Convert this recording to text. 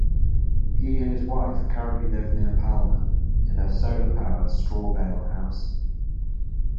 He and his wife currently live near Palmer in a solar-powered straw-bale house.